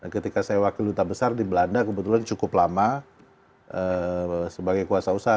ketika saya wakil duta besar di belanda kebetulan cukup lama sebagai kuasa usaha